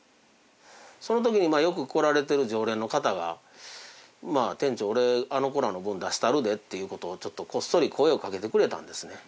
その時によく来られてる常連の方が「店長俺あの子らの分出したるで」っていう事をちょっとこっそり声をかけてくれたんですね。